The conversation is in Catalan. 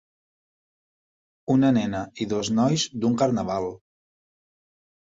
Una nena i dos nois d'un carnaval.